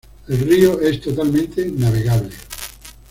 El río es totalmente navegable.